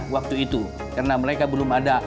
waktu itu karena mereka belum ada